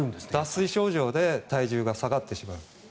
脱水症状で体重が下がってしまう。